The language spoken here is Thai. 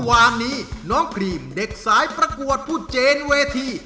วันนี้น้องกรีมเด็กสายประกวดผู้เจนเวที